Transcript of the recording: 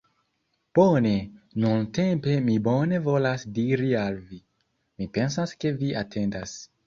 Bone, nuntempe mi bone volas diri al vi. Mi pensas ke vi atendas.